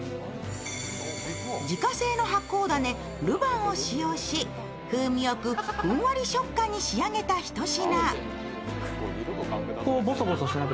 自家製の発酵種ルヴァンを使用し風味よくふんわり食感に仕上げた一品。